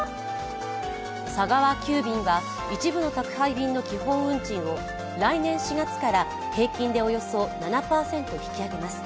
佐川急便は一部の宅配便の基本運賃を来年４月から平均でおよそ７％引き上げます。